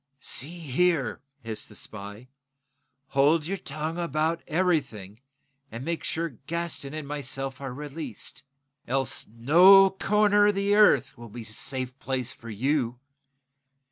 "See here," hissed the spy, "hold your tongue about everything, and make sure Gaston and myself are released. Else, no corner of the earth will be a safe place for you.